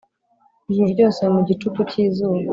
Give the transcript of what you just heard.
ijuru ryose mu gicuku cy'izuba,